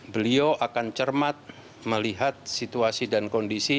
beliau akan cermat melihat situasi dan kondisi